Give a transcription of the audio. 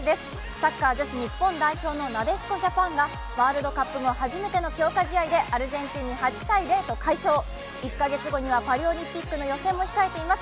サッカー女子日本代表のなでしこジャパンがワールドカップ後初めての強化試合でアルゼンチンに８−０と快勝１か月後にはパリオリンピックの予選も控えています。